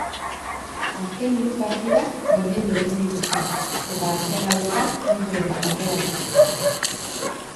Azken hiru partidak berdindu egin dituzte eta azken lauretan punturen bat atera dute.